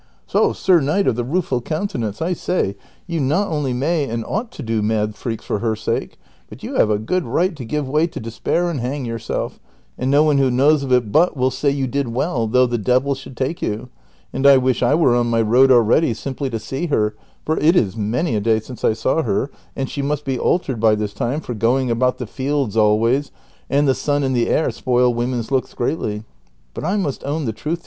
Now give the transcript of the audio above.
So, Sir Knight of the Ifueful Countenance, I say you not only may and ought to do mad freaks for her sake, but you have a good right to give way to des})air and hang j^ourself ; and no one wlio knows of it but will say you did well, though the devil should take you ; and I wish I Avere on my road already, simply to see her, for it is many a day since I saw her, and she must be altered by this time, for going about the fields always, and the sun and the air spoil women's looks greatly. But I must own the truth to you.